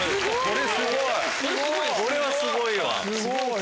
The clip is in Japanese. これはすごいわ！